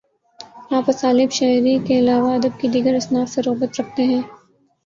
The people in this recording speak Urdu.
آپ اسالیبِ شعری کے علاوہ ادب کی دیگر اصناف سے رغبت رکھتے ہیں